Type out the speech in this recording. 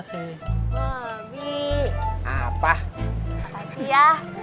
terima kasih ya